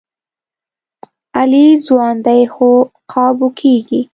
علي ځوان دی، خو قابو کېږي.